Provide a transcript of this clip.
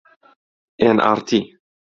ئێن ئاڕ تی